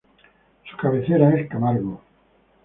Su cabecera es Camargo.